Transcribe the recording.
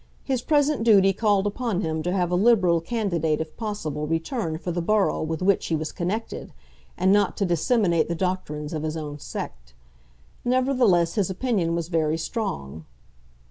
His present duty called upon him to have a Liberal candidate if possible returned for the borough with which he was connected, and not to disseminate the doctrines of his own sect. Nevertheless, his opinion was very strong.